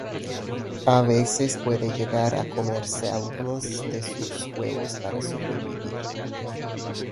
A veces puede llegar a comerse algunos de sus huevos para sobrevivir.